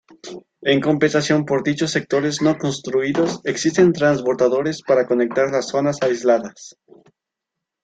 En compensación por dichos sectores no construidos, existen transbordadores para conectar las zonas aisladas.